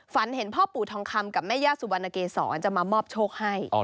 ฝันเห็นพ่อปู่ทองคำกับแม่ย่าสุวรรณเกษรจะมามอบโชคให้